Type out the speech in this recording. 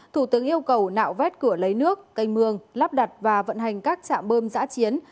thủ tướng yêu cầu nạo vét cửa lấy nước canh mương lắp đặt và vận hành các trạm bơm giã chiến